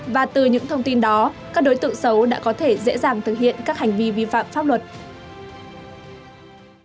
và từ những thông tin đó các đối tượng xấu đã có thể dễ dàng thực hiện các hành vi vi phạm pháp luật